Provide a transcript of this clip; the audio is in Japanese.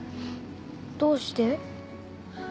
どうして？